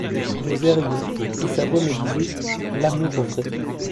Nous errions, et sa voix me disait : -L'amour vrai